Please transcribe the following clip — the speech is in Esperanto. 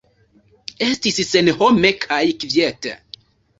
Estis senhome kaj kviete.